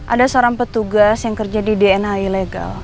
ada seorang petugas yang kerja di dna ilegal